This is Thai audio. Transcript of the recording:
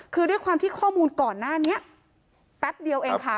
คือด้วยความที่ข้อมูลก่อนหน้านี้แป๊บเดียวเองค่ะ